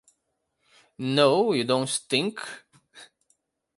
No, you don't stink.